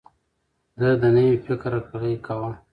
ده د نوي فکر هرکلی کاوه.